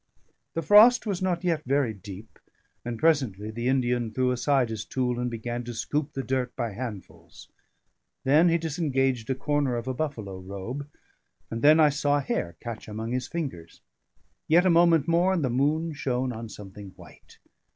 The frost was not yet very deep, and presently the Indian threw aside his tool, and began to scoop the dirt by handfuls. Then he disengaged a corner of a buffalo robe; and then I saw hair catch among his fingers: yet a moment more, and the moon shone on something white.